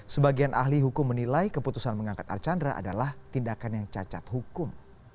sebagian ahli hukum menilai keputusan mengangkat archandra adalah tindakan yang cacat hukum